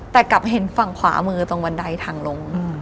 แต่กลับเห็นฝั่งขวามือตรงบันไดทางลง